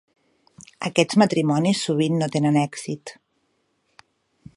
Aquests matrimonis sovint no tenien èxit.